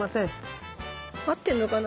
合ってんのかな？